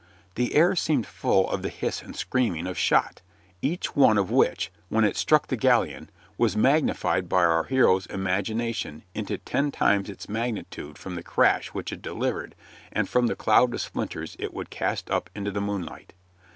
The air seemed full of the hiss and screaming of shot, each one of which, when it struck the galleon, was magnified by our hero's imagination into ten times its magnitude from the crash which it delivered and from the cloud of splinters it would cast up into the moonlight.